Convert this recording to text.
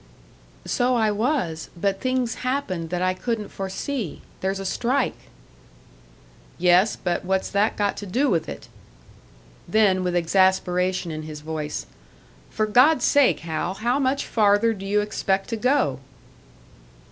"So I was; but things happened that I couldn't foresee. There's a strike." "Yes; but what's that got to do with it?" Then, with exasperation in his voice, "For God's sake, Hal, how much farther do you expect to go?"